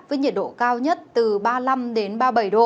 với nhiệt độ cao nhất từ ba mươi năm đến ba mươi bảy độ